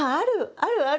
あるある！